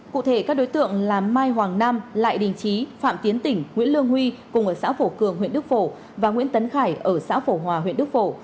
cụ thể các đối tượng là mai hoàng nam lại đình trí phạm tiến tỉnh nguyễn lương huy cùng ở xã phổ cường huyện đức phổ và nguyễn tấn khải ở xã phổ hòa huyện đức phổ